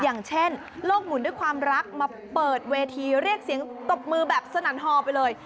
อย่างเช่นโลกหมุนด้วยความรักมาเปิดเวทีเรียกเสียงตบมือแบบสนั่นฮอไปเลย